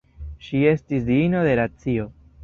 Ŝi estis diino de racio.